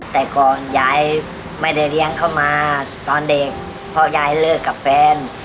แต่ก่อนยายไม่ได้เลี้ยงเข้ามาตอนเด็กเพราะยายเลิกกับแฟน